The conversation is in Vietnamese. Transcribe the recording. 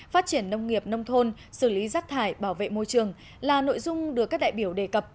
phát triển nông nghiệp nông thôn xử lý rác thải bảo vệ môi trường là nội dung được các đại biểu đề cập